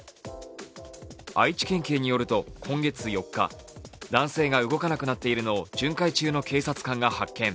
愛知県警によると、今月４日、男性が動かなくなっているのを巡回中の警察官が発見。